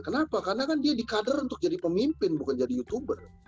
kenapa karena dia dikader untuk jadi pemimpin bukan jadi youtuber